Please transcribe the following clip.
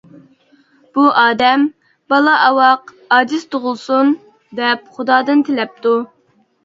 بۇ ئادەم، بالا ئاۋاق، ئاجىز تۇغۇلسۇن، دەپ خۇدادىن تىلەپتۇ.